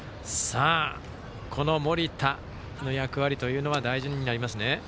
この盛田の役割というのは大事になりますね。